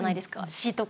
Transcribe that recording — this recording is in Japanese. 詩とか。